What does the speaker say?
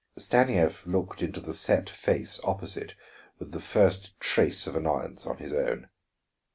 Stanief looked into the set face opposite with the first trace of annoyance on his own.